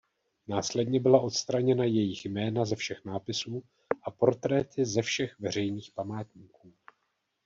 Následně byla odstraněna jejich jména ze všech nápisů a portréty ze všech veřejných památníků.